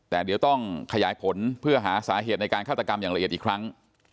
แต่เดี๋ยวต้องขยายผลเพื่อหาสาเหตุในการฆาตกรรมอย่างละเอียดอีกครั้ง